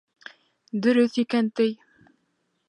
Дөрөҫ икән, ти.